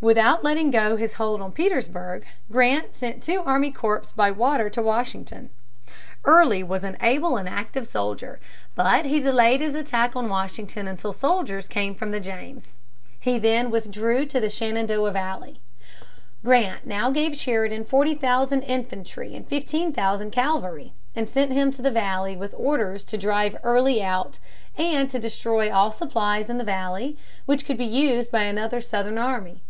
Without letting go his hold on Petersburg, Grant sent two army corps by water to Washington. Early was an able and active soldier, but he delayed his attack on Washington until soldiers came from the James. He then withdrew to the Shenandoah Valley. Grant now gave Sheridan forty thousand infantry and fifteen thousand cavalry, and sent him to the Valley with orders to drive Early out and to destroy all supplies in the Valley which could be used by another Southern army.